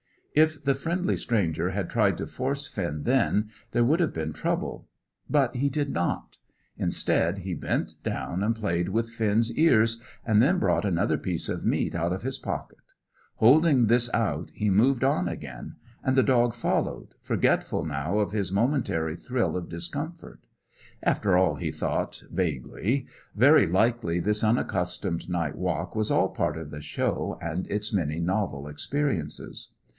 If the friendly stranger had tried to force Finn then, there would have been trouble. But he did not. Instead, he bent down and played with Finn's ears, and then brought another piece of meat out of his pocket. Holding this out, he moved on again; and the dog followed, forgetful now of his momentary thrill of discomfort. After all, he thought, vaguely, very likely this unaccustomed night walk was all part of the Show and its many novel experiences.